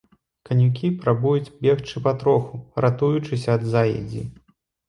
Канюкі прабуюць бегчы патроху, ратуючыся ад заедзі.